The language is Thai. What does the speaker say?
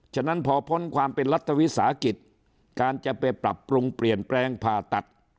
ฉะนั้นพอพ้นความเป็นรัฐวิสาหกิจการจะไปปรับปรุงเปลี่ยนแปลงผ่าตัด